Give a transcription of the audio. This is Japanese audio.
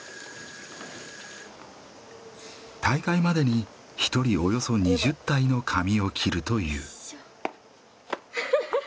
大会までに１人およそ２０体の髪を切るという。